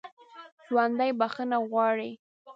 ژوندي بخښنه غواړي